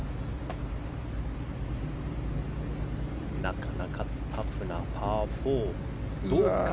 なかなかタフなパー４。